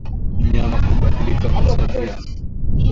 Mnyama kubadilika kwa tabia